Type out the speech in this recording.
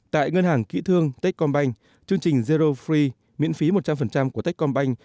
tại ngân hàng kỹ thương techcombank chương trình zero free miễn phí một trăm linh của techcombank